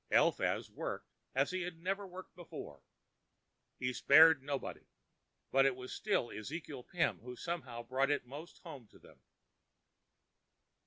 Eliphaz worked as he had never worked before; he spared nobody; but it was still Ezekiel Pim who somehow brought it most home to them.